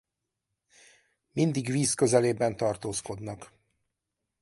Mindig víz közelében tartózkodnak.